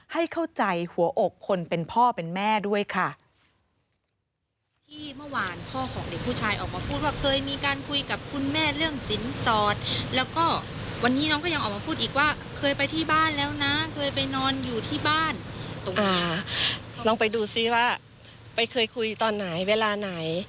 ให้เข้าใจหัวอกคนเป็นพ่อเป็นแม่ด้วยค่ะ